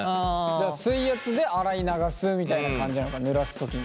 じゃ水圧で洗い流すみたいな感じなのかぬらす時に。